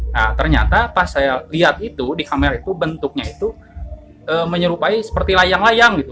nah ternyata pas saya lihat itu di kamera itu bentuknya itu menyerupai seperti layang layang gitu